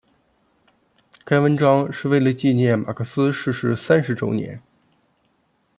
该文章是为了纪念马克思逝世三十周年。